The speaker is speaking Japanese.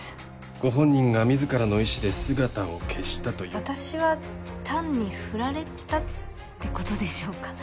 ご本人が自らの意思で姿を消したという私は単にフラれたってことでしょうか？